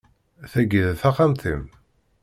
Tagi d taxxamt-im?